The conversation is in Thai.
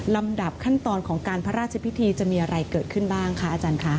ลำดับขั้นตอนของการพระราชพิธีจะมีอะไรเกิดขึ้นบ้างคะอาจารย์คะ